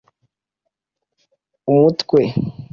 U M U T W E